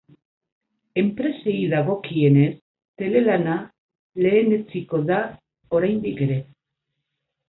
Enpresei dagokienez, telelana lehenetsiko da oraindik ere.